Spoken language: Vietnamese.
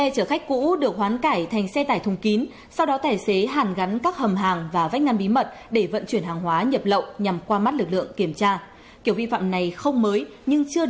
các bạn hãy đăng ký kênh để ủng hộ kênh của chúng mình nhé